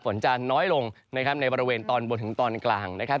ฝนจะน้อยลงนะครับในบริเวณตอนบนถึงตอนกลางนะครับ